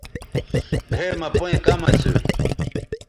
گھئے مہ پئیں کم اسُو۔